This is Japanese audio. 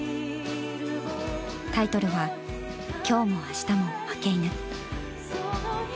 タイトルは「今日も明日も負け犬。」。